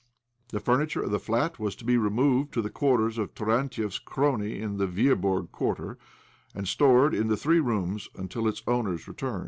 The furniture of the flat was to be removed tos II іб2 OBLOMOV the quarters of Taraлtiev's crony in the •VeabOrg Quarter, and stored in the three rooms until its owner's return.